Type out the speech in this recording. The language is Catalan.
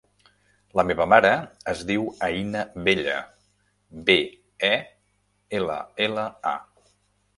La meva mare es diu Aïna Bella: be, e, ela, ela, a.